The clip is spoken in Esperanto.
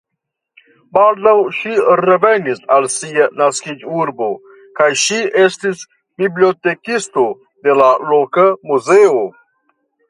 Baldaŭ ŝi revenis al sia naskiĝurbo kaj ŝi estis bibliotekisto de la loka muzeo.